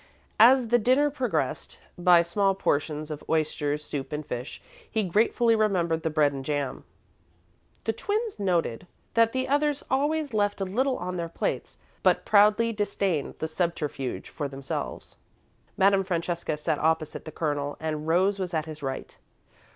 As the dinner progressed by small portions of oysters, soup, and fish, he gratefully remembered the bread and jam. The twins noted that the others always left a little on their plates, but proudly disdained the subterfuge for themselves. Madame Francesca sat opposite the Colonel and Rose was at his right.